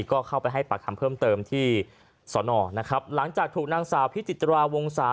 ก็เข้าไปให้ปากคำเพิ่มเติมที่สอนอนะครับหลังจากถูกนางสาวพิจิตราวงศา